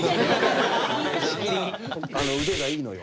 あの腕がいいのよ。